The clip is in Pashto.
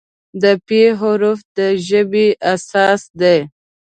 د "پ" حرف د ژبې اساس دی.